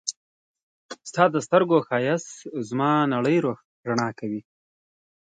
ستا د سترګو ښایست زما نړۍ رڼا کوي.